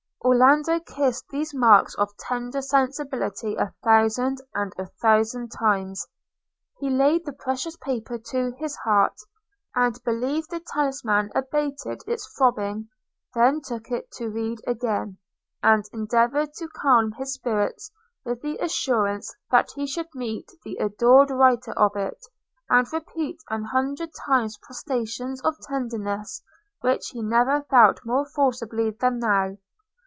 Orlando kissed these marks of tender sensibility a thousand and a thousand times: he laid the precious paper to his heart, and believed the talisman abated its throbbing; then took it to read again, and endeavoured to calm his spirits with the assurance that he should meet the adored writer of it, and repeat an hundred times protestations of tenderness which he never felt more forcibly than now.